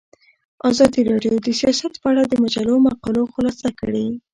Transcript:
ازادي راډیو د سیاست په اړه د مجلو مقالو خلاصه کړې.